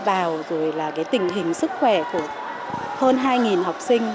và việc ra vào tình hình sức khỏe của hơn hai học sinh